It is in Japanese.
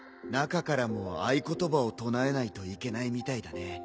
中からも合言葉を唱えないといけないみたいだね